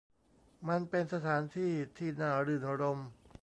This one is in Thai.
มันเป็นสถานที่ที่น่ารื่นรมย์